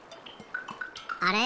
あれ？